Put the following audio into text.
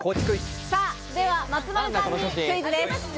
では松丸さんにクイズです。